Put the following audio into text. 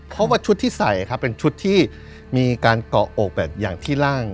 เพราะว่าชุดที่ใส่ครับเป็นชุดที่มีการเกาะอกแบบอย่างที่ร่าง